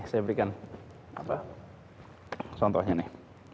saya berikan contohnya nih